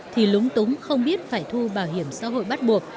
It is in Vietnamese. thì lúng túng không biết phải thu bảo hiểm xã hội bắt buộc